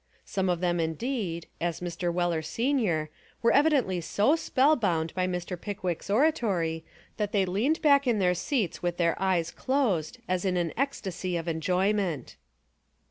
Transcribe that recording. Some of them indeed, as Mr. Weller Senior, were evidently so spellbound by Mr. Pickwick's oratory that they leaned back in their seats with their eyes closed as in an ec stacy of enjoyment.